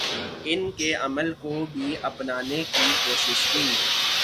ان کے عمل کو بھی اپنانے کی کوشش کی